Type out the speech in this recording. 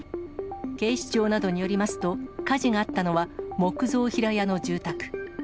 警視庁などによりますと、火事があったのは木造平屋の住宅。